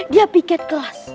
dia piket kelas